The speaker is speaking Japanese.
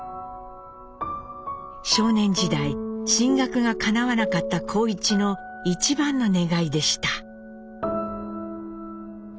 少年時代進学がかなわなかった幸一のいちばんの願いでした。